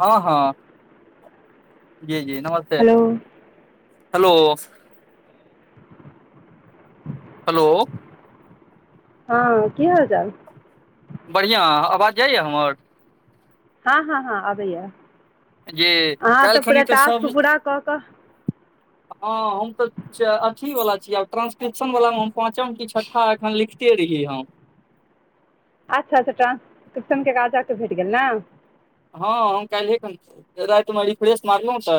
हं-हँ जी जी नमस् हेलो। हेलो हेलो हं की हाल चाल? बढ़ियां अवाज जाइया हमर? हं-हं-हं अबैया, जी अहाँ त पूरा काल्हिखनी तऽ टास्क सभ पूरा क क हँ हम त चा अथी वला छी आब ट्रांसक्रिप्शन वलामे हम पांचम कि छ्ठा एखन लिखिते रहियै हम। अच्छा-अच्छा, ट्रांसक्रिप्शनके काज अहाँके भेट गेल ने? हँ हम काल्हिएखन रातिमे रिफ्रेश मारलौं त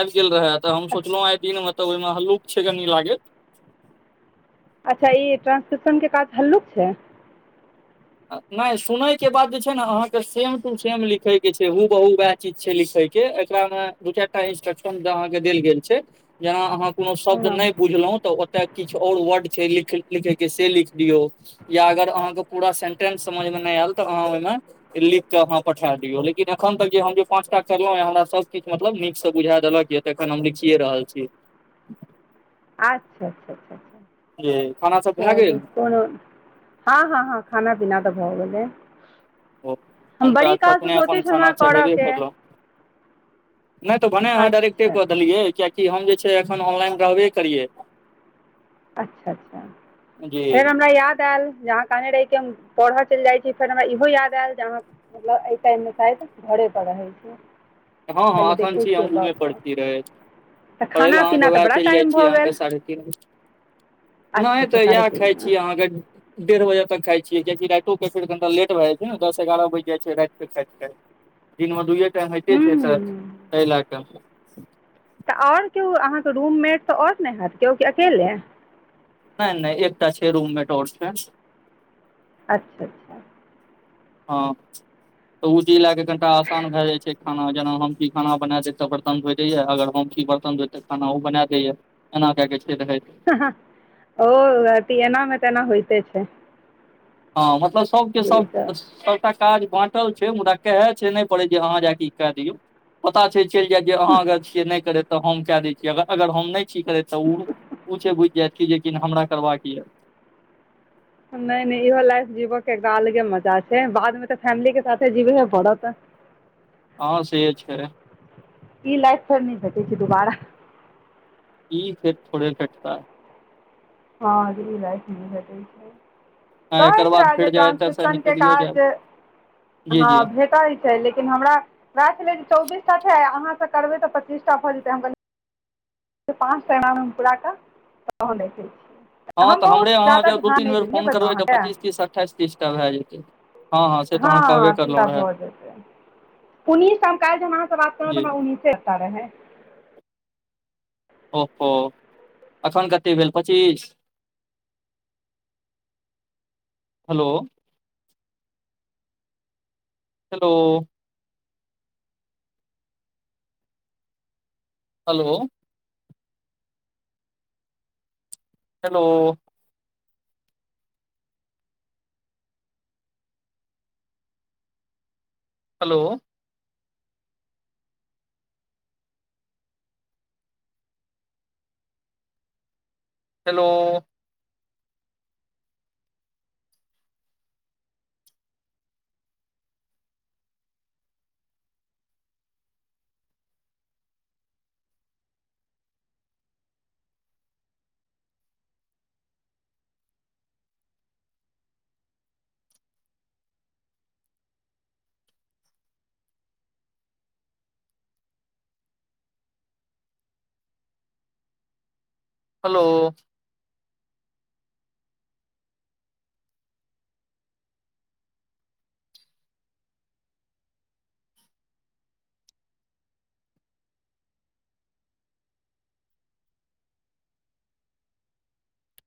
आबि गेल रहय। त हम सोचलौं आइ दिनमे त ओइमे हल्लुक छै कनी लागैत। अच्छा ई ट्रांस्क्रिप्शनके काज हल्लुक छै? न सुनैके बाद जे छै ने अहाँ सेम टू सेम लिखै के छै, हूबहू वैह चीज छै लिखैके। एकरामें दु चारि टा इंस्ट्रक्शन अहाँके देल गेल छै। जेना अहाँ कोनो शब्द हँ नै बुझलौ त ओ त किछ आओर वर्ड छै लिखै-लिखैके से लिख दियौ या अगर अहाँके पूरा फेन समझमे नै आएल त अहाँ ओइमे ई लिखके अहाँ पठा दियौ लेकिन एखन तक जे हम जे पाँचटा करलौं हें हमरा सब किछु मतलब नीक सं बुझा देलक या। एखन हम लिखिए रहल छी। आच्छा-अच्छा-छा। ये खाना सब भए चलू गेल कोनो हं- हं- हं खाना पीना त भ गेलै। ओ [inaudible] हम बड़ी तऽ काल सं एखने सोचै छलौंहे कर के नै त भने अहाँ डाायरेक्टे अच्छा अच्छा क देलियै किएकि हम जे छै एखन ऑनलाइन रहबे करियै। अच्छा -अच्छा जी फेर हमरा याद ऐल जे अहाँक कने रहि के हम पढ़ऽ चईल जाइ छी, फेर हमरा इहो याद आयल जे अहाँ मतलब एई टाइम मे शायद घरे पर रहै छी। हँ हम हँ पहिले एखन देखै छी, हम छियै कऽ रूमे पर कऽ छी रहैत तऽ पढ़ै लए खाना अहाँके पीना तऽ वएह बड़ा चइल जाइ टाइम छी, भऽ अहाँके गेल सारै अच्छा नइ अच्छा तऽ साढ़े इएह खइ तीनमे छी, अहाँके डेढ़ बजे तक खाय छियै किआकी राइतो के फेर घंटा लेट भए जाइ छै, नऽ दस, एगारह बइज जाइ छै, राइत के खाइत- खाइत। दिनमे दुए टाइम होइते छै, हूँ स अइ लए कऽ तऽ आओर केओ अहाँके रूममेट तऽ आओर नै हत केओ की अकेले नय- नय एकटा छै, रूममेट डो स मेँ अच्छा- अच्छा हँ तऽ ओ चीज लए कऽ कनिटा आसान भए जाइ छै, खाना जेना हम कि खाना बना देब तऽ बर्तन धोइ दइया, अगर हम छी - बर्तन धोइत त खाना ओ बना दै या एना क, के, छै रहेत। हँ ओ अथि एना मे त एना होइते छै। हँ मतलब सबके जे सब ई -सब सबटा काज बाँटल छै, मुदा कहै छै, नै पड़ै जे अहाँ जाक ई कए दियौ। पता छै, चइल जायत जे अहाँ अगर छियै नइ करै तऽ हम कए दै छीयैग अगर हम नइ - छि करे तऽ ऊँ ओछ बुझि जायत जेक हमरा करबाक यऽ नै - नै इहो लाइफ जीबो के एक अलगे मजा छै, बाद मे तऽ फैमिली के साथे जीबहे पड़त। हँ से छै ई लाइफ फेर नहि भेटै छै दुबारा ई फेर थोड़े भेटतै - हँ इलाइफ नइ भेटे छय। है एकर कहैत बाद रहए जे फेर जाउ एतऽ से ट्रांसक्रिप्शन के निकलियो काज जायब जी हँ जी भेटई छय लेकिन हमरा राख नै चौबीसटा छय अहाँ के करबै तऽ पच्चीसटा भऽ जेतै हम गं पाँचटा एगारहम पूराक तहन ऐते हँ तऽ हमरे अहाँ जब दू तीन बेर देलियै फोन बजलहुँ करबै तऽ अहाँके पच्चीस तीस अटठाइस तीसटा भए जेतै। हँ- हँ से तऽ अहाँ कहबे करलहुँ रहए! उन्नीसटा हम काइल जे हम आहाँ से बात केलोऊ जी तऽ उन्नीसेटा रहेै। ओ, हो, एखन कतेक भेल पचीस hello hello hello hello hello hello hello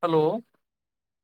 hello